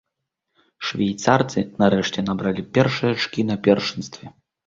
Швейцарцы нарэшце набралі першыя ачкі на першынстве.